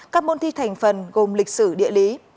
các môn thi thành phần gồm lịch sử địa lý